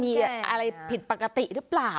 มีอะไรผิดปกติหรือเปล่า